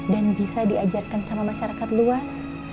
dan bisa diajarkan sama masyarakat luas